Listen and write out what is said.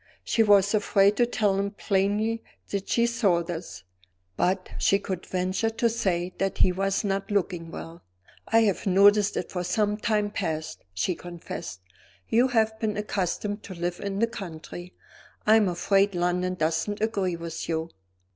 She was afraid to tell him plainly that she saw this; but she could venture to say that he was not looking well. "I have noticed it for some time past," she confessed. "You have been accustomed to live in the country; I am afraid London doesn't agree with you."